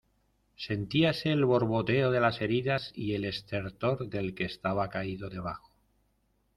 sentíase el borboteo de las heridas, y el estertor del que estaba caído debajo.